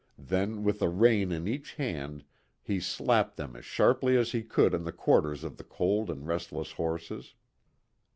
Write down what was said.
Then with a rein in each hand he slapped them as sharply as he could on the quarters of the cold and restless horses.